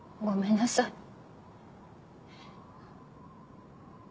ごめんなさい。